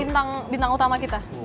ini nih bintang utama kita